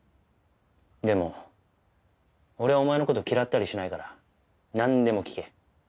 でも俺はお前の事嫌ったりしないからなんでも聞け。